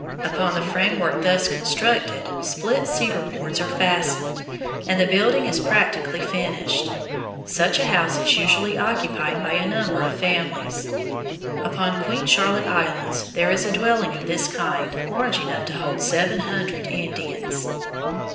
Upon the framework thus constructed split cedar boards are fastened, and the building is practically finished. Such a house is usually occupied by a number of families. Upon Queen Charlotte Islands there is a dwelling of this kind large enough to hold seven hundred Indians.